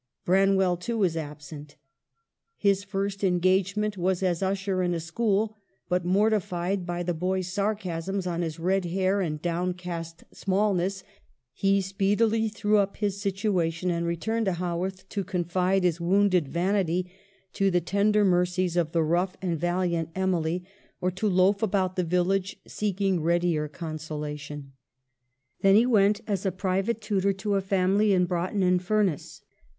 Bran well, too, was absent. His first engage ment was as usher in a school ; but, mortified by the boys' sarcasms on his red hair and " downcast smallness," he speedily threw up his situation and returned to Haworth to confide his wounded vanity to the tender mercies of the rough and valiant Emily, or to loaf about the village seeking readier consolation. Then he went as private tutor to a family in Broughton in Furness.